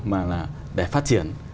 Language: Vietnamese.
mà là để phát triển